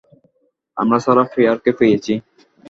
আমরা সারাহ ফিয়ারকে পেয়েছি।